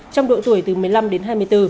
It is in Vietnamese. trong độ tuổi từ một mươi năm đến hai mươi bốn